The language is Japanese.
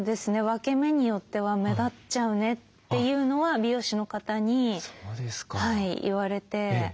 分け目によっては目立っちゃうねっていうのは美容師の方に言われて。